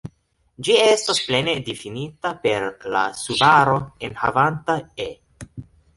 Ĝi estas plene difinita per la subaro enhavanta "e".